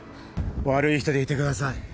悪い人でいてください。